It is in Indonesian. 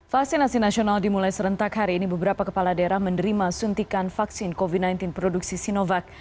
vaksinasi nasional dimulai serentak hari ini beberapa kepala daerah menerima suntikan vaksin covid sembilan belas produksi sinovac